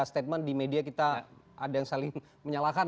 sebenarnya kita ada yang saling menyalahkan